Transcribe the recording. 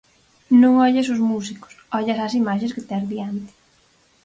Non ollas os músicos, ollas as imaxes que tes diante.